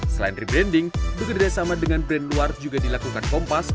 selain rebranding bekerjasama dengan brand luar juga dilakukan kompas